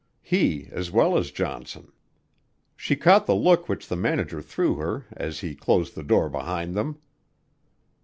He as well as Johnson. She caught the look which the manager threw her as he closed the door behind them.